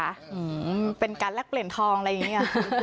อืมเป็นการแลกเปลี่ยนทองอะไรอย่างนี้